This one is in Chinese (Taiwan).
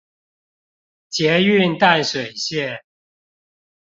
捷運淡水線